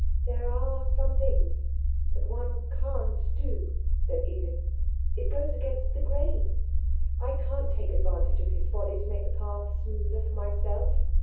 'There are some things that one can't do.' said Edith. 'It goes against the grain. I can't take advantage of his folly to make the path smoother for myself.